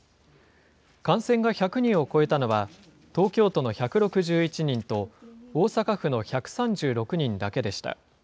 感染が１００人を超えたのは、東京都の１６１人と、大阪府の１３６人だけでした。